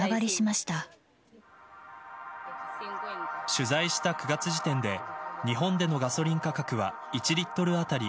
取材した９月時点で日本でのガソリン価格は１リットル当たり